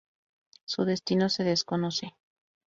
Su destino se desconoce.